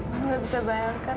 kamu tidak bisa bayangkan